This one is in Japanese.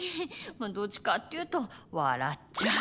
どっちかっていうと笑っちゃう。